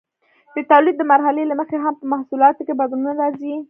د تولید د مرحلې له مخې هم په محصولاتو کې بدلونونه راځي.